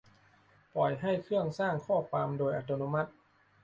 ปล่อยให้เครื่องสร้างข้อความโดยอัตโนมัติ